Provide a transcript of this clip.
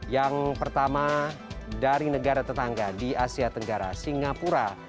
yang pertama dari negara tetangga di asia tenggara singapura